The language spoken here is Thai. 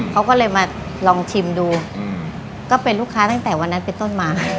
เขาก็เลยมาลองชิมดูก็เป็นลูกค้าตั้งแต่วันนั้นเป็นต้นมา